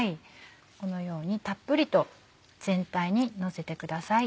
このようにたっぷりと全体にのせてください。